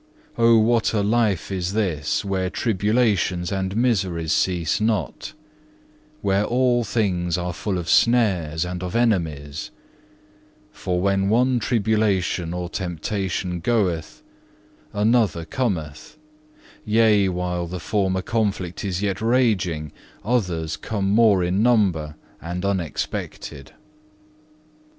Oh what a life is this, where tribulations and miseries cease not, where all things are full of snares and of enemies, for when one tribulation or temptation goeth, another cometh, yea, while the former conflict is yet raging others come more in number and unexpected.